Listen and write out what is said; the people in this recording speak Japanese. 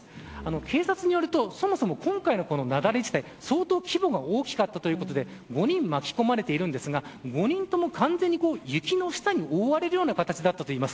警察によるとそもそも今回の雪崩自体相当規模が大きかったということで５人が巻き込まれているんですが５人とも完全に雪の下に覆われるような形だったといいます。